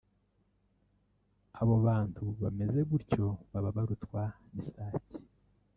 Abo bantu bameze gutyo baba barutwa n’isake